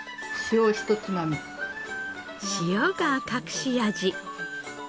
塩が隠し味。